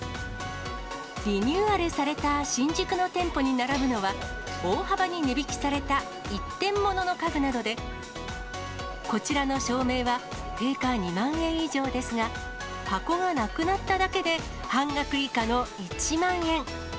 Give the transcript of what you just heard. リニューアルされた新宿の店舗に並ぶのは、大幅に値引きされた一点ものの家具などで、こちらの照明は定価２万円以上ですが、箱がなくなっただけで半額以下の１万円。